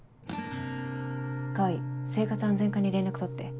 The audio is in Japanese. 川合生活安全課に連絡取って。